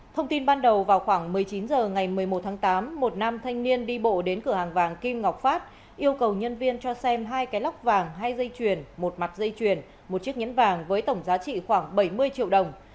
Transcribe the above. thông tin ban đầu vào khoảng một mươi chín h ngày một mươi một tháng tám một nam thanh niên đi bộ đến cửa hàng vàng kim ngọc phát yêu cầu nhân viên cho xem hai cái lóc vàng hai dây chuyền một mặt dây chuyền một chiếc nhẫn vàng với tổng giá trị khoảng bảy mươi triệu đồng